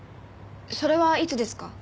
それはいつですか？